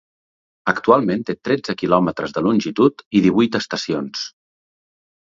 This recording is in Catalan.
Actualment té tretze quilòmetres de longitud i divuit estacions.